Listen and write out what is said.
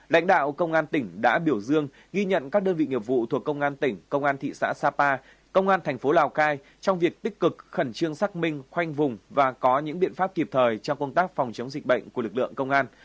lãnh đạo công an tỉnh đã biểu dương ghi nhận các đơn vị nghiệp vụ thuộc công an tỉnh công an thị xã sapa công an thành phố lào cai trong việc tích cực khẩn trương xác minh khoanh vùng và có những biện pháp kịp thời trong công tác phòng chống dịch bệnh của lực lượng công an